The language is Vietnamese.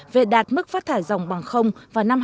về đạt mức phát thải ròng bằng không vào năm hai nghìn năm mươi